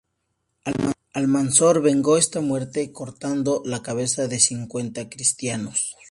Almanzor vengó esta muerte cortando la cabeza de cincuenta cristianos.